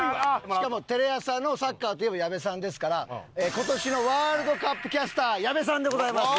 しかもテレ朝のサッカーといえば矢部さんですから今年のワールドカップキャスター矢部さんでございます。